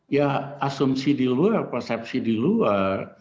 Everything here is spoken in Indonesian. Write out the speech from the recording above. ya asumsi di luar persepsi di luar